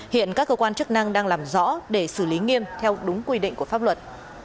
hiện các cơ quan chức năng đang làm rõ để xử lý nghiêm theo đúng quy định của pháp luật